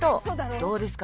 どうですか？